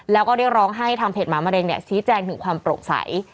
แล้วก็เรียกร้องให้ทางเพจหมามะเร็งชี้แจงถึงความโปร่งใส